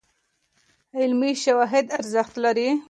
علمي شواهد ارزښت لري.